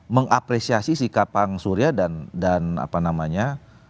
mengapresiasi sikap bang surya dan apa namanya